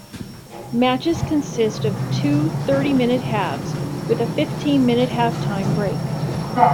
Matches consist of two thirty-minute halves, with a fifteen-minute half-time break.